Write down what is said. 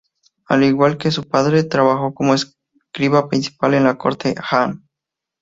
Al igual que su padre, trabajó como escriba principal en la corte Han.